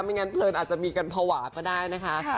งั้นเพลินอาจจะมีกันภาวะก็ได้นะคะ